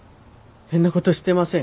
変なことしてません。